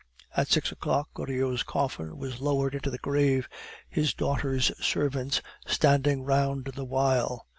At six o'clock Goriot's coffin was lowered into the grave, his daughters' servants standing round the while.